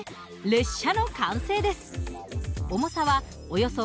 列車の完成です。